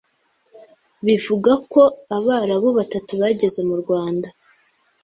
Bivugwa ko Abarabu batatu bageze mu Rwanda